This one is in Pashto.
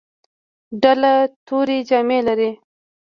ډله تورې جامې لرلې.